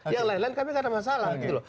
yang lain lain kami gak ada masalah gitu loh